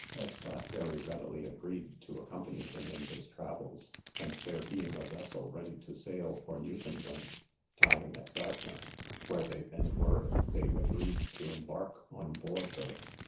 Escott very readily agreed to accompany him in his travels, and there being a vessel ready to sail for Newfoundland, tying at Dartmouth, where they then were, they agreed to embark on board her.